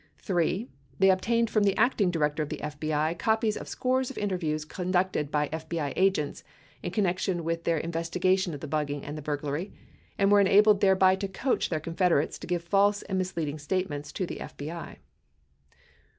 3. They obtained from the Acting Director of the FBI copies of scores of interviews conducted by FBI agents in connection with their investigation of the bugging and the burglary, and were enabled thereby to coach their confederates to give false and misleading state ments to the FBI. 4.